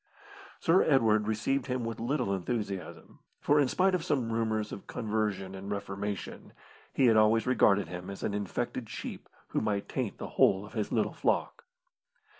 Sir Edward received him with little enthusiasm, for in spite of some rumours of conversion and reformation, he had always regarded him as an infected sheep who might taint the whole of his little flock.